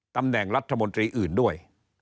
ตำแหน่งรัฐมนตรีอื่นด้วย